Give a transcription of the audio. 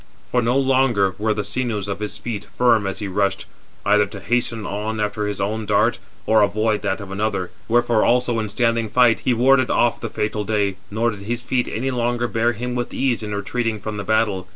For no longer were the sinews of his feet firm as he rushed, either to hasten on after his own dart, 432 or avoid [that of another]. Wherefore also in standing fight, he warded off the fatal day, nor did his feet any longer bear him with ease in retreating from the battle.